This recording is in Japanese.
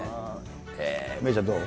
芽生ちゃんどう？